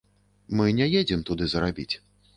Мы не едзем туды зарабіць.